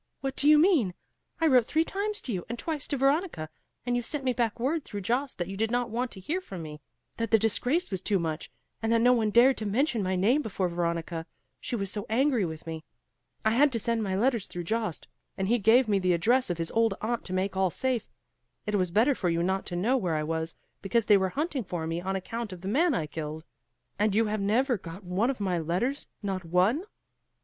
what do you mean? I wrote three times to you and twice to Veronica; and you sent me back word through Jost that you did not want to hear from me; that the disgrace was too much, and that no one dared to mention my name before Veronica, she was so angry with me. I had to send my letters through Jost, and he gave me the address of his old aunt to make all safe. It was better for you not to know where I was, because they were hunting for me on account of the man I killed. And you have never got one of my letters; not one?"